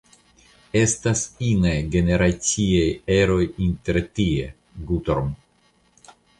Estas inaj generaciaj eroj intertie, Gutorm.